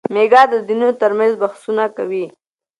میکا د دینونو ترمنځ بحثونه کوي.